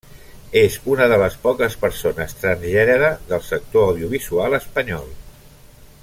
És una de les poques persones transgènere del sector audiovisual espanyol.